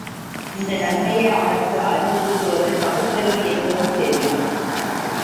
இந்த நன்மையை அவனுக்கு அறிவுறுத்துவது பகுத்தறிவு என்பதும் தெரியும்.